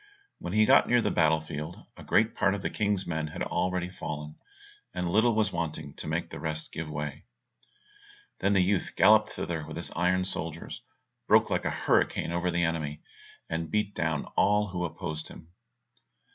When he got near the battle field a great part of the King's men had already fallen, and little was wanting to make the rest give way. Then the youth galloped thither with his iron soldiers, broke like a hurricane over the enemy, and beat down all who opposed him.